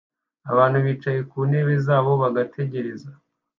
abantu bicaye ku ntebe zabo bagategereza